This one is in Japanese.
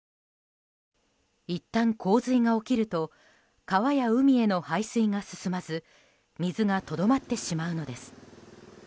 いったん洪水が起きると川や海への排水が進まず水がとどまってしまうのです。